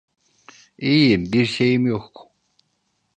İyiyim, bir şeyim yok.